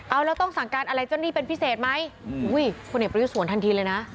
เอาแล้วต้องสั่งการอะไรเจ้าหนี้เป็นพิเศษไหมอุ้ยคนเอกประยุทธ์สวนทันทีเลยนะ